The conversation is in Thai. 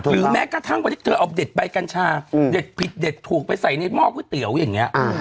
หรือแม้กระทั่งวงนี้เธอเอาเด็ดใบกัญชาเด็ดผิดเด็ดถูกไปใส่ในหมอกค๋วเต๋วยังงี้